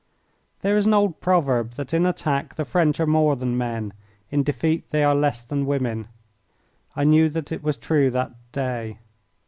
There is an old proverb that in attack the French are more than men, in defeat they are less than women. I knew that it was true that day.